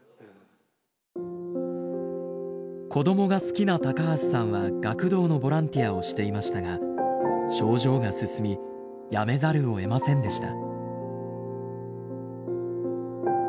子供が好きな高橋さんは学童のボランティアをしていましたが症状が進み辞めざるをえませんでした。